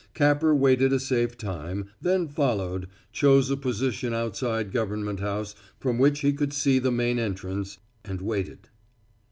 Capper waited a safe time, then followed, chose a position outside Government House from which he could see the main entrance, and waited.